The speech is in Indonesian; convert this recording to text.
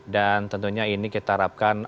dan tentunya ini kita harapkan